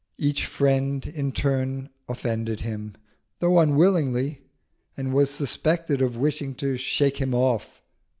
Each friend in turn offended him, though unwillingly, and was suspected of wishing to shake him off.